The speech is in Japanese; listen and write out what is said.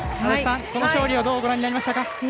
この勝利はどうご覧になりましたか。